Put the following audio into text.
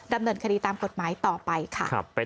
ดำเนินคดีตามกฎหมายต่อไปค่ะ